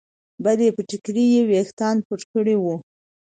بلې پر ټیکري ویښتان پټ کړي وو.